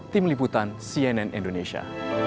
tim liputan cnn indonesia